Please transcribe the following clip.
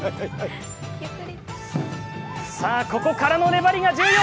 さあここからの粘りが重要！